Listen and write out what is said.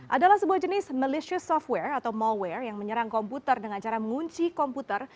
adalah sebuah jenis malaysia software atau malware yang menyerang komputer dengan cara mengunci komputer